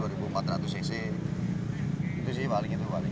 itu sih paling itu paling yang berbeda kan